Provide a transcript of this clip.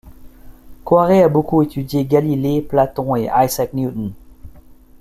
Koyré a beaucoup étudié Galilée, Platon et Isaac Newton.